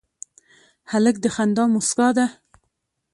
هلک د خندا موسکا ده.